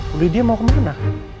bu lydia mau kemana